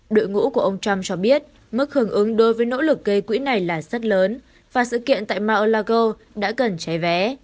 đội ngũ của ông trump cho biết mức hưởng ứng đối với nỗ lực gây quỹ này là rất lớn và sự kiện tại mar a lago đã gần cháy vé